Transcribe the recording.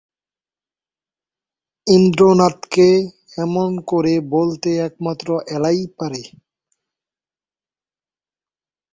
ইন্দ্রনাথকে এমন করে বলতে একমাত্র এলাই পারে।